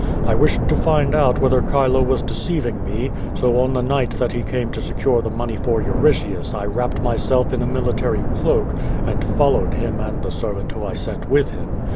I wished to find out whether Cliilo was deceiving me, so on the night that he came to seciu'e the money for Euritius I wrapped myself in a military cloak, and followed him and the servant whom I sent with him.